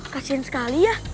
kasian sekali ya